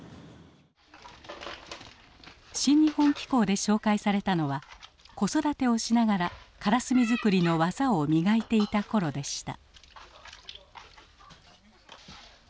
「新日本紀行」で紹介されたのは子育てをしながらからすみ作りの技を磨いていた頃でした。